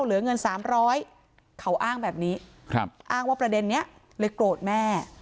เหลือเงิน๓๐๐เขาอ้างแบบนี้อ้างว่าประเด็นนี้เลยโกรธแม่